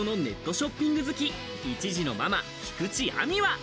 ショッピング好き、１児のママ、菊地亜美は。